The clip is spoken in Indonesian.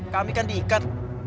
kami kan diikat